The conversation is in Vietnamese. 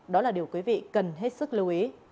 đó là điều quý vị cần hết sức lưu ý